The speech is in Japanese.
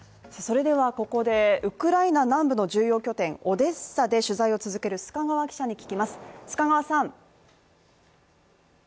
ここでウクライナ南部の重要拠点オデッサで取材を続ける須賀川記者に話を聞きます。